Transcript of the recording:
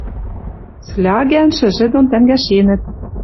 Слягӓн шӹжӹ дон тӓнгӓштенӹт.